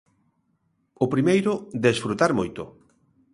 O primeiro, desfrutar moito.